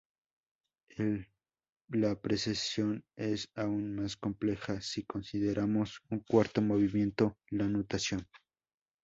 La precesión es aún más compleja si consideramos un cuarto movimiento: la nutación.